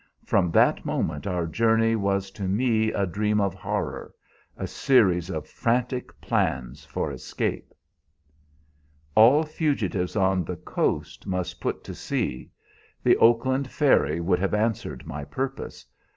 From that moment our journey was to me a dream of horror, a series of frantic plans for escape. "All fugitives on the coast must put to sea. The Oakland ferry would have answered my purpose.